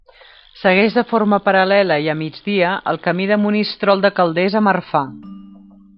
Segueix de forma paral·lela i a migdia el Camí de Monistrol de Calders a Marfà.